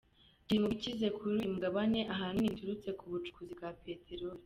Kiri mu bikize kuri uyu mugabane ahanini biturutse ku bucukuzi bwa Peteroli.